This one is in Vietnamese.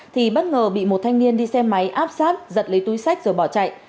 thì bất ngờ bị một thanh niên đi xe máy áp sát giật lấy túi sách rồi bỏ chạy